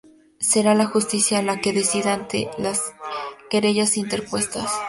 Será la justicia la que decida ante las querellas interpuestas.